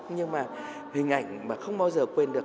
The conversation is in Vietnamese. nhưng mà hình ảnh mà không bao giờ quên được